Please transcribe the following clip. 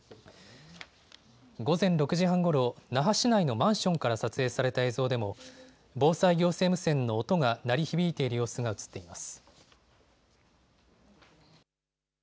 午前６時半ごろ、那覇市内のマンションから撮影された映像でも、防災行政無線の音が鳴り響いている様子が映っています。